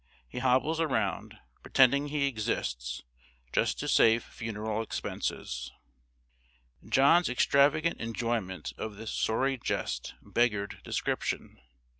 He hobbles around, pretending he exists, just to save funeral expenses." John's extravagant enjoyment of this sorry jest beggared description.